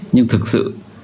nhưng thực sự